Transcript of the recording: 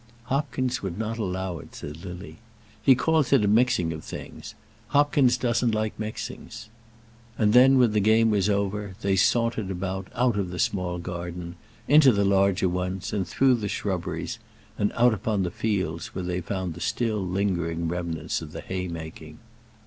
"Hopkins would not allow it," said Lily. "He calls that a mixing of things. Hopkins doesn't like mixings." And then when the game was over, they sauntered about, out of the small garden into the larger one, and through the shrubberies, and out upon the fields, where they found the still lingering remnants of the haymaking.